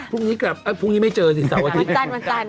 พรุ่งนี้กลับพรุ่งนี้ไม่เจอสิสัวนอาทิตย์